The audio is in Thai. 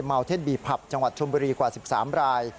เท่นบีผับจังหวัดชมบุรีกว่า๑๓ราย